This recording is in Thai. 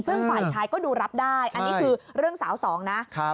ซึ่งฝ่ายชายก็ดูรับได้อันนี้คือเรื่องสาวสองนะ